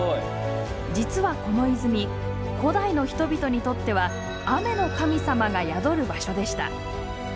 実はこの泉古代の人々にとっては雨の神様が宿る場所でした。